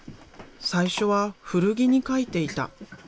最初は古着に描いていた。